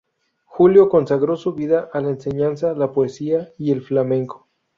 Julio consagró su vida a la enseñanza, la poesía y el flamenco.